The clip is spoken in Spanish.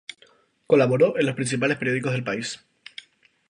Colaboró en los principales periódicos del país.